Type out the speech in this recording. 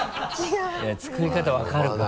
作り方分かるから。